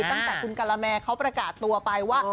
ตั้งแต่คุณการาแมเขาประกาศตัวไปว่า